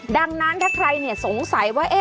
ดังนั้นถ้าใครสงสัยว่า